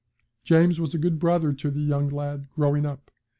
Jim was a good brother to the young lad growing up.